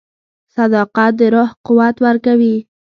• صداقت د روح قوت ورکوي.